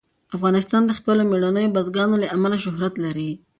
افغانستان د خپلو مېړنیو بزګانو له امله شهرت لري.